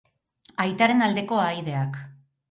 Aitaren aldeko ahaideak.